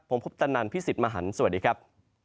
ผมพุทธนันพี่สิทธิ์มหันฯสวัสดีครับ